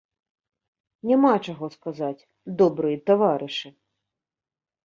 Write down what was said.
Няма чаго сказаць, добрыя таварышы!